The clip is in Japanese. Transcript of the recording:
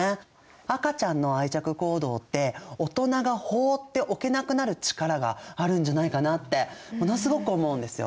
赤ちゃんの愛着行動って大人が放っておけなくなる力があるんじゃないかなってものすごく思うんですよ。